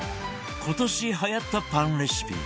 今年はやったパンレシピ